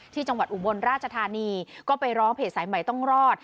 จังหวัดอุบลราชธานีก็ไปร้องเพจสายใหม่ต้องรอด